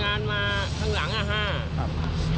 คนงานมาข้างหลังน่ะ๕ครับ